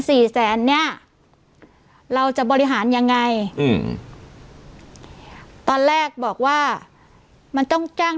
สี่แสนเนี้ยเราจะบริหารยังไงอืมตอนแรกบอกว่ามันต้องจ้าง